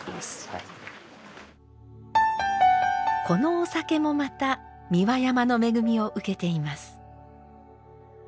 このお酒もまた三輪山の恵みを受けています。